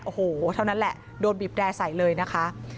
โอ้โหเท่านั้นแหละโดนบีบแด่ใส่เลยนะคะ